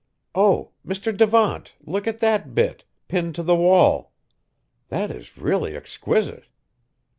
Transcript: Oh! Mr. Devant, look at that bit, pinned to the wall! That is really exquisite!